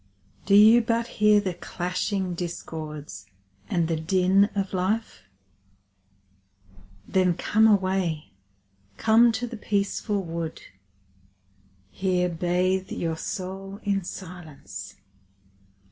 Do you but hear the clashing discords and the din of life? Then come away, come to the peaceful wood, Here bathe your soul in silence.